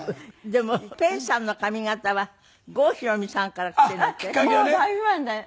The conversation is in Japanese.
でもペーさんの髪形は郷ひろみさんからきているんだって？